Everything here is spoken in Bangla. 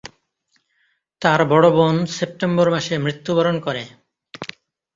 তার বড় বোন সেপ্টেম্বর মাসে মৃত্যুবরণ করে।